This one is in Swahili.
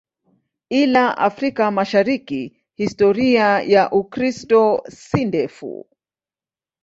Ila Afrika Mashariki historia ya Ukristo si ndefu.